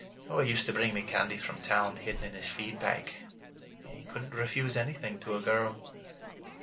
He used to bring me candy from town, hidden in his feed bag. He could n't refuse anything to a girl.